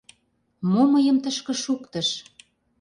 Мо мыйым тышке шуктыш?